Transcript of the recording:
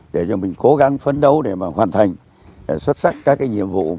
để cho mình cố gắng phấn đấu để hoàn thành xuất sắc các nhiệm vụ